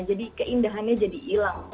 jadi keindahannya jadi hilang